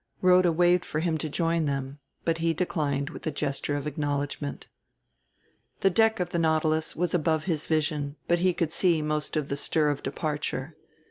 Rhoda waved for him to join them, but he declined with a gesture of acknowledgment. The deck of the Nautilus was above his vision but he could see most of the stir of departure.